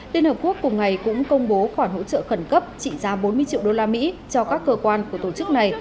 liên hợp quốc cùng ngày cũng công bố khoản hỗ trợ khẩn cấp trị giá bốn mươi triệu usd cho các cơ quan của tổ chức này